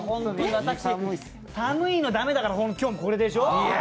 私、寒いの駄目だから、今日もこれでしょ。